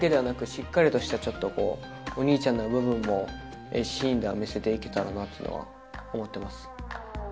しっかりとしたお兄ちゃんの部分もシーンでは見せていけたらなっていうのは思ってます